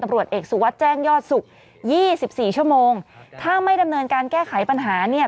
อันตรวจเอกสู่วัดแจ้งยอดศุกร์๒๔ชั่วโมงถ้าไม่ดำเนินการแก้ไขปัญหาเนี่ย